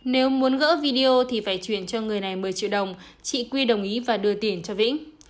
nếu muốn gỡ video thì phải chuyển cho người này một mươi triệu đồng chị quy đồng ý và đưa tiền cho vĩnh